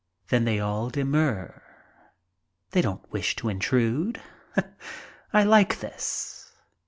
Then they all demur. They don't wish to intrude. I like this.